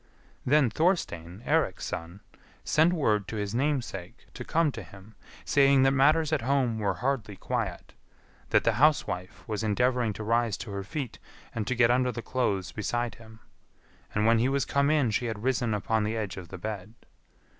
Then Thorstein, Eirik's son, sent word to his namesake to come to him, saying that matters at home were hardly quiet; that the housewife was endeavouring to rise to her feet and to get under the clothes beside him. And when he was come in she had risen upon the edge of the bed.